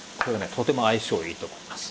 とても相性いいと思います。